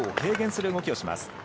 空気抵抗を軽減する動きをします。